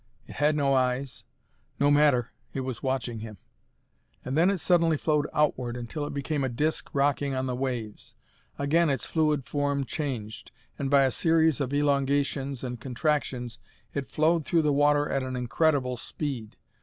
It had no eyes. No matter, it was watching him. And then it suddenly flowed outward until it became a disc rocking on the waves. Again its fluid form changed, and by a series of elongations and contractions it flowed through the water at an incredible speed.